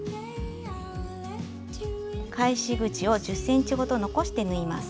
返し口を１０ｃｍほど残して縫います。